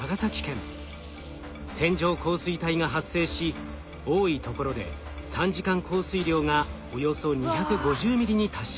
線状降水帯が発生し多いところで３時間降水量がおよそ２５０ミリに達しました。